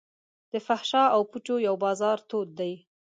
د فحاشا او پوچو یو بازار تود دی.